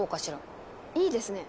いいですね。